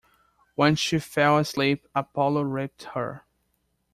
When she fell asleep Apollo raped her.